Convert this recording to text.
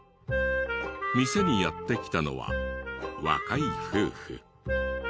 店にやって来たのは若い夫婦。